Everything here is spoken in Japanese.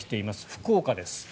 福岡です。